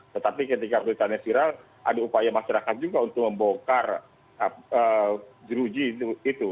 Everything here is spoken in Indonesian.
tetapi ketika beritanya viral ada upaya masyarakat juga untuk membongkar jeruji itu